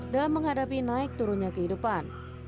dalam menghadapi naik turunnya kehidupan